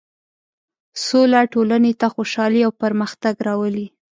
سوله ټولنې ته خوشحالي او پرمختګ راولي.